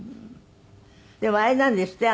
でもあれなんですって？